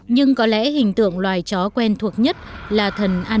nhưng có lẽ hình tượng loài chó quen thuộc nhất là thần anubis trong văn hóa